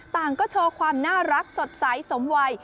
ต่างก็โชว์ความน่ารักสดใสสมวัย